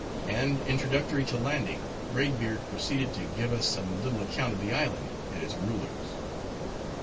And, introductory to landing, Braid Beard proceeded to give us some little account of the island, and its rulers.